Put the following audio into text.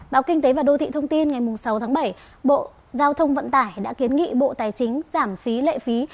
bộ giao thông vận tải đã kiến nghị bộ tài chính giảm phí lệ phí